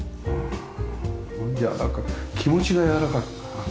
やわらかく気持ちがやわらかく。